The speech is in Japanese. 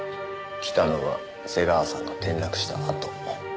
来たのは瀬川さんが転落したあと。